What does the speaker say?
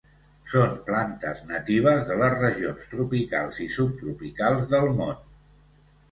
Són plantes natives de les regions tropicals i subtropicals del món.